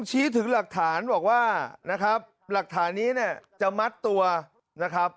ชี้ถึงหลักฐานบอกว่านะครับหลักฐานนี้เนี่ยจะมัดตัวนะครับ